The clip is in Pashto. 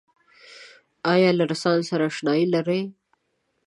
آیا له رنسانس سره اشنایې لرئ؟